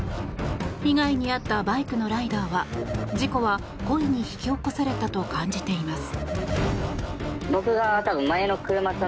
被害に遭ったバイクのライダーは事故は故意に引き起こされたと感じています。